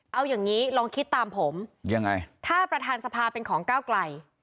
เอาอย่างนี้ลองคิดตามผมยังไงถ้าประธานสภาเป็นของก้าวไกล